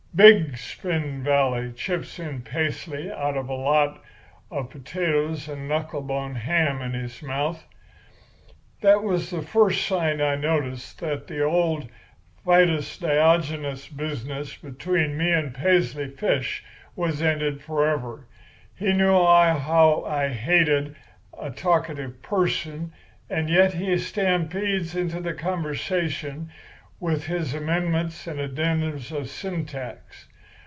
"'Big Spring Valley,' chips in Paisley, out of a lot of potatoes and knuckle bone of ham in his mouth. "That was the first sign I noticed that the old fidus Diogenes business between me and Paisley Fish was ended forever. He knew how I hated a talkative person, and yet he stampedes into the conversation with his amendments and addendums of syntax.